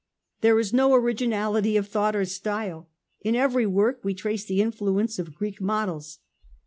There is no originality of drought or style. In every work we trace the influence of Greek models.